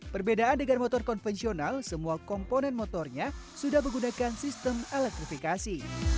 perbedaan dengan motor konvensional semua komponen motornya sudah menggunakan sistem elektrifikasi